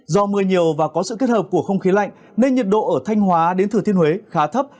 do mưa nhiều và có sự kết hợp của không khí lạnh nên nhiệt độ ở thanh hóa đến thừa thiên huế khá thấp